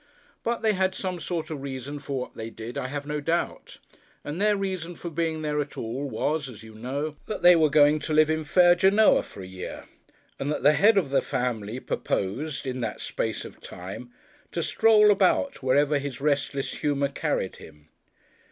But, they had some sort of reason for what they did, I have no doubt; and their reason for being there at all, was, as you know, that they were going to live in fair Genoa for a year; and that the head of the family purposed, in that space of time, to stroll about, wherever his restless humour carried him.